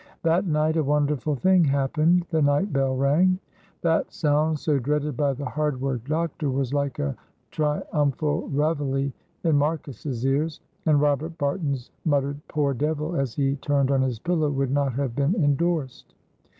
That night a wonderful thing happened. The night bell rang. That sound so dreaded by the hard worked doctor was like a triumphal reveille in Marcus's ears. And Robert Barton's muttered "poor devil" as he turned on his pillow would not have been endorsed.